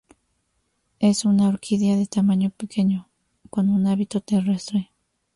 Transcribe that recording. Es una orquídea de tamaño pequeño, con un hábito terrestre.